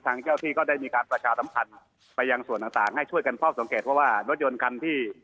เจ้าที่ก็ได้มีการประชาสัมพันธ์ไปยังส่วนต่างให้ช่วยกันเฝ้าสังเกตเพราะว่ารถยนต์คันที่